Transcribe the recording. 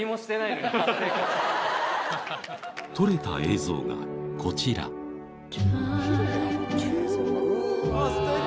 撮れた映像がこちらすてき！